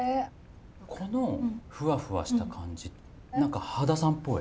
このフワフワした感じ何か羽田さんっぽい。